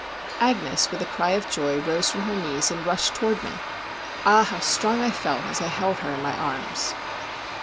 Agnes, with a cry of joy, rose from her knees, and rushed toward me. Ah! how strong I felt as I held her in my arms!